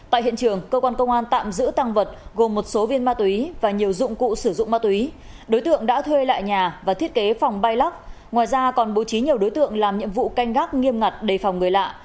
tại hiện trường cơ quan công an tạm giữ tăng vật gồm một số viên ma túy và nhiều dụng cụ sử dụng ma túy đối tượng đã thuê lại nhà và thiết kế phòng bay lắc ngoài ra còn bố trí nhiều đối tượng làm nhiệm vụ canh gác nghiêm ngặt đề phòng người lạ